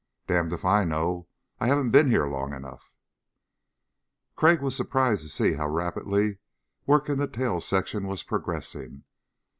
"Damned if I know. I haven't been here long enough." Crag was surprised to see how rapidly work in the tail section was progressing.